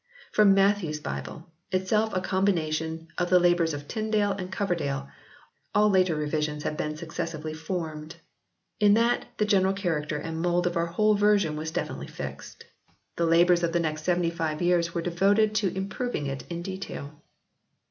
From Matthew s Bible itself a combination of the labours of Tyndale and Coverdale all later revisions have been successively formed. In that the general character and mould of our whole version was definitely fixed. The labours of the next seventy five years were devoted to im proving it in detail."